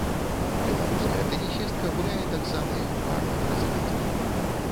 Беларуская тэнісістка гуляе таксама і ў парным разрадзе.